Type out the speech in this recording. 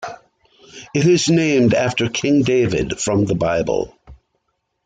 It is named after King David from the Bible.